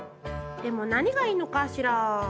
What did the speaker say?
でも何がいいのかしら？